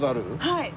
はい。